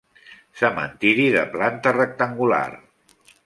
Cementiri de planta rectangular.